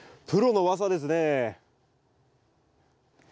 プロの技ですね。